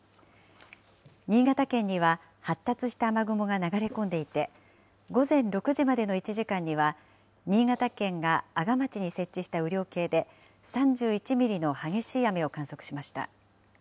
新潟県には発達した雨雲が流れ込んでいて、午前６時までの１時間には、新潟県が阿賀町に設置した雨量計で、３１ミリの激しい雨を観測しました。